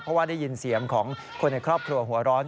เพราะว่าได้ยินเสียงของคนในครอบครัวหัวร้อน